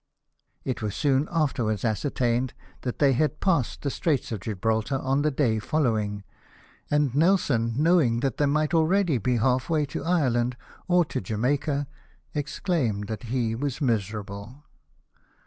It was soon afterwards ascertained that they had passed the Straits of Gibraltar on the day following ; and Nelson, knowing that they might already be half way to Ireland or to Jamaica, exclaimed that he was miserable.